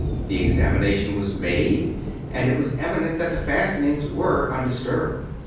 The examination was made and it was evident that the fastenings were undis turbed.